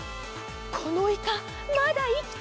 このイカまだいきてる！